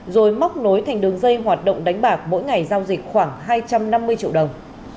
rồi móc nối thành đường dây hoạt động đánh bạc mỗi ngày giao dịch khoảng hai trăm năm mươi triệu đồng